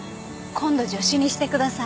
今度助手にしてください。